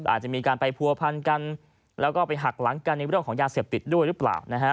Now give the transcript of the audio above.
อาจจะมีการไปผัวพันกันแล้วก็ไปหักหลังกันในเรื่องของยาเสพติดด้วยหรือเปล่านะฮะ